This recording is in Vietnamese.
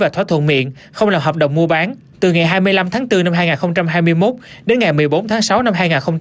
trong khoảng thời gian từ ngày hai mươi năm tháng bốn năm hai nghìn hai mươi một đến ngày một mươi bốn tháng sáu năm hai nghìn hai mươi một